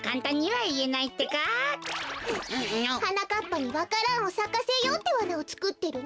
はなかっぱにわか蘭をさかせようってわなをつくってるんでしょう。